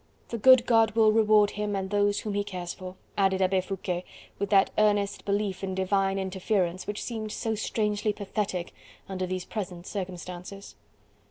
"The good God will reward him and those whom he cares for," added Abbe Foucquet with that earnest belief in divine interference which seemed so strangely pathetic under these present circumstances.